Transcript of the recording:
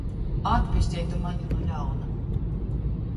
Atpestej tu mani nu ļauna!